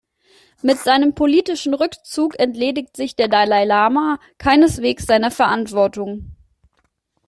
Mit seinem politischen Rückzug entledigt sich der Dalai Lama keineswegs seiner Verantwortung.